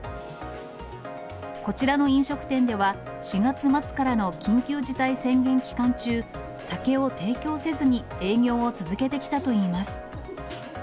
こちらの飲食店では、４月末からの緊急事態宣言期間中、酒を提供せずに営業を続けてきたといいます。